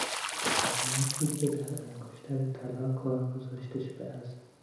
الماسی که در انگشتر طلا کار گذاشته شده است